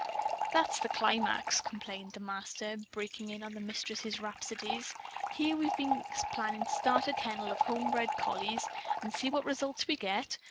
"That's the climax!" complained the Master, breaking in on the Mistress's rhapsodies. "Here we've been planning to start a kennel of home bred collies! And see what results we get!